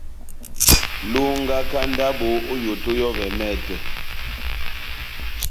Longaka ndabo ό yoto yɔ́vɛ mɛtɛ.